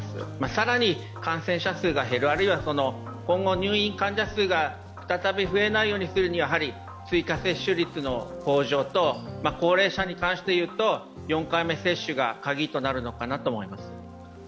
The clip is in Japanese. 更に感染者数が減る、あるいは今後入院患者数が再び増えないようにするには追加接種率の向上と高齢者に関していうと、４回目接種がカギとなるのかなと思います。